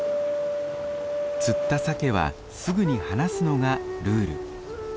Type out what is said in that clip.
釣ったサケはすぐに放すのがルール。